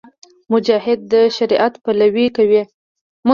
مجاهد د شریعت پلوۍ کوي.